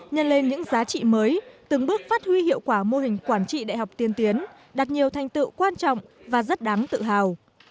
nhân lên những giá trị mới từng bước phát huy hiệu quả mô hình quản trị đại học tiên tiến đạt nhiều thành tựu quan trọng và rất đáng tự hào